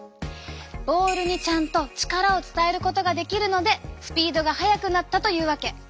ボールにちゃんと力を伝えることができるのでスピードが速くなったというわけ。